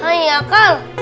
hai ya kal